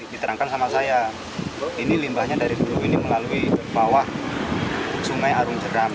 diterangkan sama saya ini limbahnya dari dulu ini melalui bawah sungai arung jeram